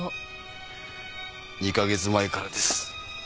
２カ月前からです。